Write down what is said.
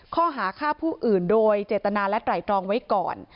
ข้อหาฆ่าผู้อื่นโดยเจตนาและไตรตรองไว้ก่อน